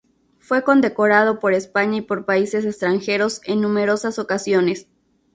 Fue condecorado por España y por países extranjeros en numerosas ocasiones:.